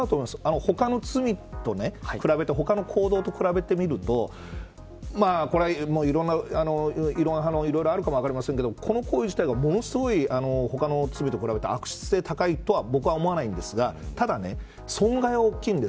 他の罪と比べて他の行動と比べてみるとこれは、いろんな反論もあるかもしれませんがこの行為自体がものすごい他の罪と比べて悪質性が高いとは僕は思わないんですがただ、損害は大きいんです。